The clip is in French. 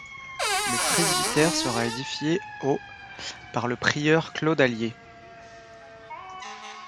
Le presbytère sera édifié au par le prieur Claude Allier.